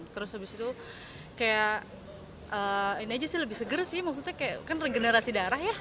terus habis itu kayak ini aja sih lebih seger sih maksudnya kayak kan regenerasi darah ya